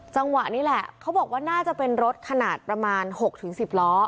จังหวะนี้แหละเขาบอกว่าน่าจะเป็นรถขนาดประมาณ๖๑๐ล้อ